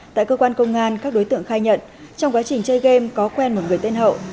tại cơ quan công an các đối tượng khai nhận trong quá trình chơi game có quen một người tên hậu